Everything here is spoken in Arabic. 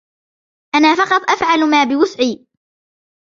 انا فقط افعل ما بوسعي.